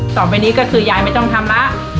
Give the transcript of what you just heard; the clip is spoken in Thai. ต่อไปนี้ก็คือยายไม่ต้องทำแล้ว